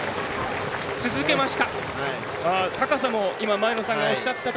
続けました。